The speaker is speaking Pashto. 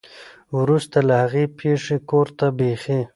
ورورسته له هغې پېښې کور ته بېخي